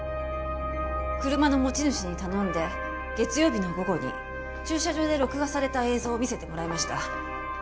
車の持ち主に頼んで月曜日の午後に駐車場で録画された映像を見せてもらいました。